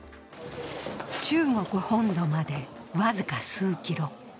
中国本土まで僅か数キロ。